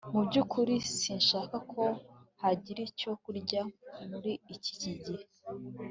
Mu byukuri sinshaka ko hagira icyo kurya muri iki gihe